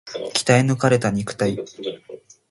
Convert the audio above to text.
鍛え抜かれた肉体